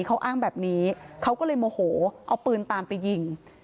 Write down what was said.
เขาอ้างแบบนี้เขาก็เลยโมโหเอาปืนตามไปยิง